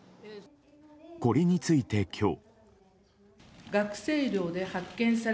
これについて、今日。